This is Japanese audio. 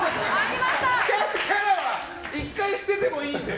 キャラは１回捨ててもいいので。